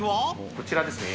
こちらですね。